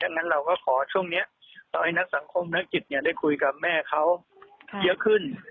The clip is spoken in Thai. งั้นเราก็ขอช่วงนี้ต่อให้นักสังคมนักจิตได้คุยกับแม่เขาเยอะขึ้น